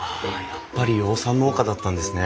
やっぱり養蚕農家だったんですね。